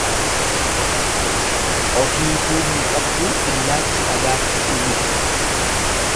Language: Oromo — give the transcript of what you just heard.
ofiifuu hin qabduu billaachi dhagaatti uwwifti.